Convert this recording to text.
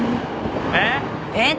えっ？